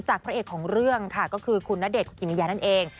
พระเอกของเรื่องค่ะก็คือคุณณเดชนคุกิมิยานั่นเอง